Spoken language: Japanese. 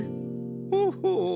ほほう。